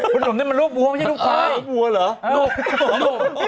คุณหน่อยมันรูปวัวไม่ใช่รูปควายรูปวัวเหรอ